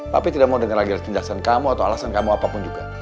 papi tidak mau dengar lagi penjelasan kamu atau alasan kamu apapun juga